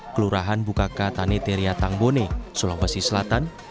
kelurahan bukaka taniteria tangbone sulawesi selatan